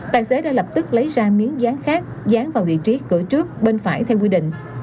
tài xế đã lập tức lấy ra miếng dán khác dán vào vị trí cửa trước bên phải theo quy định